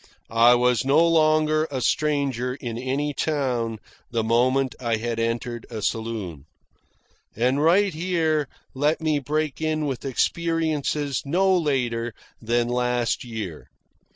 I was no longer a stranger in any town the moment I had entered a saloon. And right here let me break in with experiences no later than last year.